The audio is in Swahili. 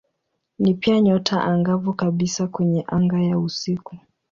Ni pia nyota angavu kabisa kwenye anga ya usiku.